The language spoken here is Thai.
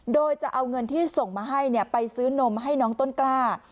โดยจะเอาเงินที่ส่งมาให้ไปซื้อนมให้น้องต้นกล้า